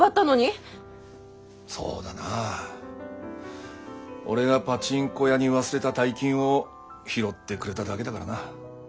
そうだな俺がパチンコ屋に忘れた大金を拾ってくれただけだからな。